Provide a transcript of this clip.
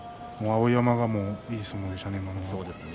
碧山が、いい相撲でしたね。